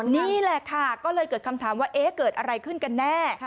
นี่แหละค่ะก็เลยเกิดคำถามว่าเอ๊ะเกิดอะไรขึ้นกันแน่